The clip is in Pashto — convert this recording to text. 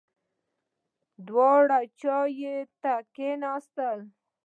دواړه چایو ته کېناستل.